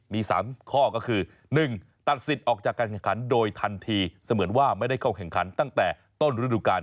มี๓ข้อก็คือ๑ตัดสิทธิ์ออกจากการแข่งขันโดยทันทีเสมือนว่าไม่ได้เข้าแข่งขันตั้งแต่ต้นฤดูกาล